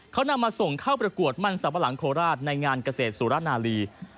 เขานำมาส่งเข้าประกวดมันสับปะหลังโคราชในงานเกษตรสุรนาลี